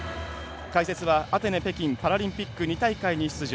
解説はアテネ、北京パラリンピック２大会に出場